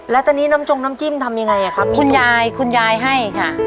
แล้วตอนนี้น้ำจงน้ำจิ้มทำยังไงอ่ะครับคุณยายคุณยายให้ค่ะ